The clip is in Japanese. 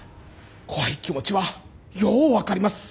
怖い気持ちはよう分かります